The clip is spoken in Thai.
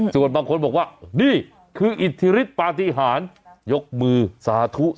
ส่วนบางคนบอกว่านี่คืออิทธิฤทธปาฏิหารยกมือสาธุ